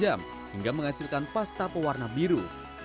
lima belas jam hingga menghasilkan pasta pewarna biru